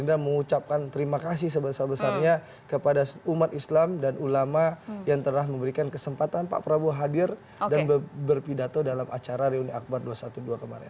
dan saya ingin mengucapkan terima kasih sebesar besarnya kepada umat islam dan ulama yang telah memberikan kesempatan pak prabowo hadir dan berpidato dalam acara reuni akbar dua ratus dua belas kemarin